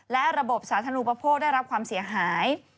และระบบสาธารณูปโภคได้รับความเสียหาย